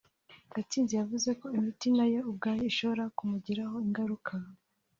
Gatsinzi yavuze ko imiti nayo ubwayo ishobora kumugiraho ingaruka